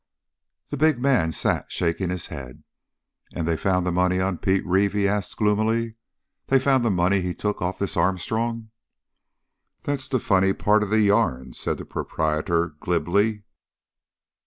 The big man sat shaking his head. "And they found the money on Pete Reeve?" he asked gloomily. "They found the money he took off this Armstrong?" "There's the funny part of the yarn," said the proprietor glibly.